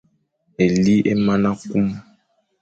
Éli é mana kum.